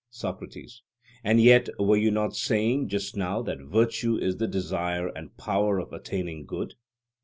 SOCRATES: And yet, were you not saying just now that virtue is the desire and power of attaining good?